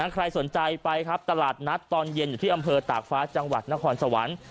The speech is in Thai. ใครสนใจไปครับตลาดนัดตอนเย็นอยู่ที่อำเภอตากฟ้าจังหวัดนครสวรรค์